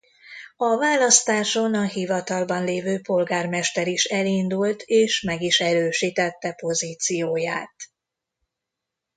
A választáson a hivatalban lévő polgármester is elindult és meg is erősítette pozícióját.